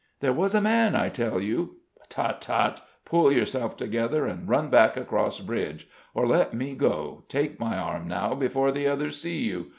"There was a man, I tell you " "Tut, tut, pull yourself together and run back across bridge. Or let me go: take my arm now, before the others see you.